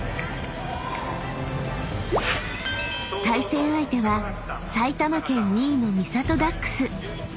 ［対戦相手は埼玉県２位の三郷ダックス］